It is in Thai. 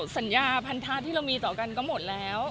สัญญาพันธะที่เรามีต่อกันก็หมดแล้ว